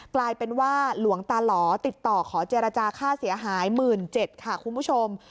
กลายเป็นว่าหลวงตาหล่อติดต่อขอเจรจาค่าเสียหาย๑๗๐๐ค่ะคุณผู้ชม